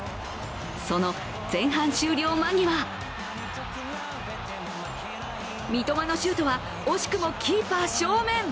その前半終了間際三笘のシュートは惜しくもキーパー正面。